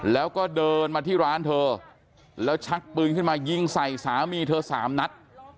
แล้วก็เดินมาที่ร้านเธอแล้วชักปืนขึ้นมายิงใส่สามีเธอสามนัด